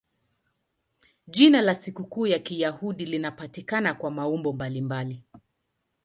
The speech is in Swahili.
Jina la sikukuu ya Kiyahudi linapatikana kwa maumbo mbalimbali.